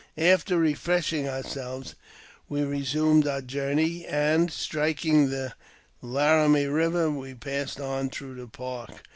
After refreshing ourselves we resumed our journey, andj striking the Laramie Eiver, we passed on through the Park!